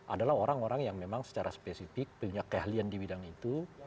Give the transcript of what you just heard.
adalah orang orang yang memang secara spesifik punya keahlian di bidang itu